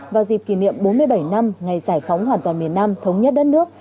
vào dịp kỷ niệm bốn mươi bảy năm ngày giải phóng hoàn toàn miền nam thống nhất đất nước